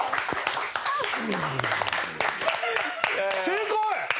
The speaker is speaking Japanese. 正解！